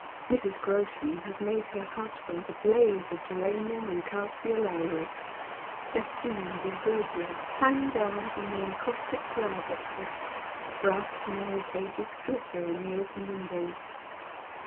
Mm. Groshen bus made her house front a blaze of geranium and calceoluria, festoons of verdure hang down from the encaustic flowcr boses, brass canary cages glitter in the open windows.